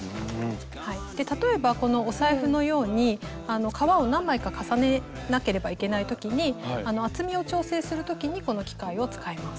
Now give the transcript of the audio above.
例えばこのお財布のように革を何枚か重ねなければいけない時に厚みを調整する時にこの機械を使います。